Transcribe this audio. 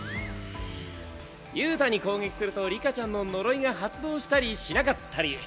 憂太に攻撃すると里香ちゃんの呪いが発動したりしなかったり。